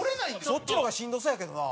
そっちの方がしんどそうやけどな。